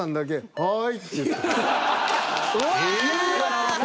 はい。